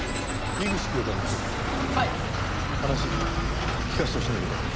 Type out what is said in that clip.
話聞かせてほしいんだけど。